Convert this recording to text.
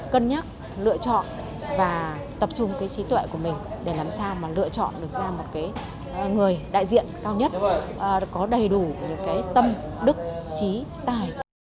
cân nhắc lựa chọn và tập trung cái trí tuệ của mình để làm sao mà lựa chọn được ra một cái người đại diện cao nhất có đầy đủ những cái tâm đức trí tài